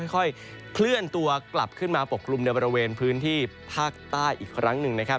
ค่อยเคลื่อนตัวกลับขึ้นมาปกกลุ่มในบริเวณพื้นที่ภาคใต้อีกครั้งหนึ่งนะครับ